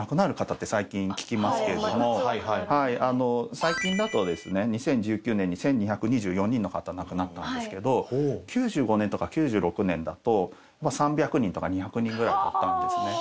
最近だと２０１９年に１，２２４人の方亡くなったんですけど９５年とか９６年だと３００人とか２００人くらいだったんですね。